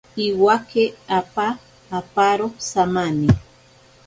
Iwake apa aparo samani.